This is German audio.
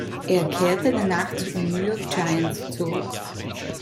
Er kehrte danach zu den New York Giants zurück.